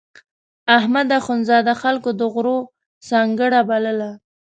احمد اخوندزاده خلکو د غرو سنګړه بلله.